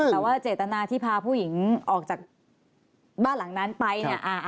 แต่ว่าเจตนาที่พาผู้หญิงออกจากบ้านหลังนั้นไปเนี่ย